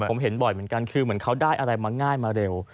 ผมเห็นบ่อยเหมือนกันเขาได้อะไรง่ายมาเร็ว